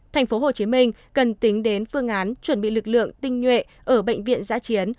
tp hcm cần tính đến phương án chuẩn bị lực lượng tinh nhuệ ở bệnh viện giã chiến